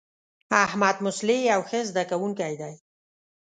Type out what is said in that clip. احمدمصلح یو ښه زده کوونکی دی.